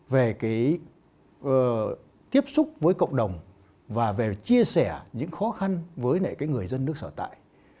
về cái tiếp xúc với cộng đồng và về chia sẻ những khó khăn với người dân nước sở tại